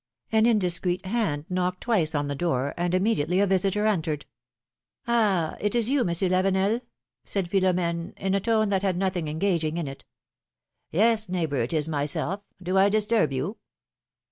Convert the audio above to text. An indiscreet hand knocked twice on the door, and immediately a visitor entered. ^^Ah ! it is you, Monsieur Lavenel ? said Philom^ne, in a tone that had nothing engaging in it. Yes, neighbor, it is myself; do I disturb you?